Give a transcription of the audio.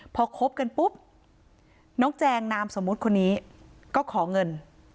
พอคบกันปุ๊บน้องแจงนามสมมุติคนนี้ก็ขอเงิน